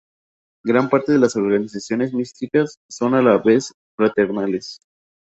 Gran parte de las "organizaciones místicas" son a la vez fraternales.